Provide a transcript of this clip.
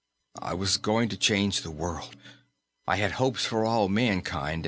"I was going to change the world. I had hopes for all humankind.